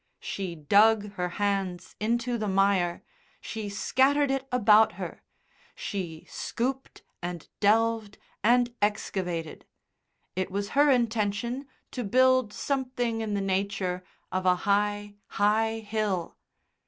She dug her hands into the mire, she scattered it about her, she scooped and delved and excavated. It was her intention to build something in the nature of a high, high hill.